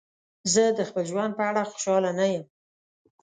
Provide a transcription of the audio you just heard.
زه د خپل ژوند په اړه خوشحاله نه یم.